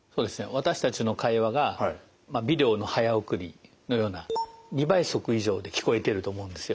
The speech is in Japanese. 私たちの会話がビデオの早送りのような２倍速以上で聞こえてると思うんですよ。